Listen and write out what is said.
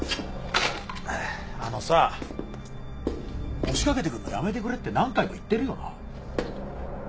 あのさ押し掛けてくるのやめてくれって何回も言ってるよな。